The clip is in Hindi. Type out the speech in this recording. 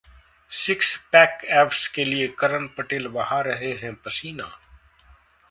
सिक्स पैक ऐब्स के लिए करण पटेल बहा रहे हैं पसीना